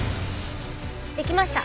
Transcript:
できました。